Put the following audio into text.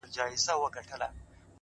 o ژوند مي هيڅ نه دى ژوند څه كـړم،